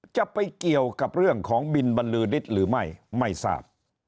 จะไปเกี่ยวกับเรื่องของบินบรรลือฤทธิ์หรือไม่ไม่ทราบ